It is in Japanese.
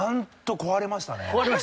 壊れました。